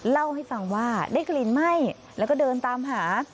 เล่าให้ฟังว่าได้กลิ่นไหม้แล้วก็เดินตามหา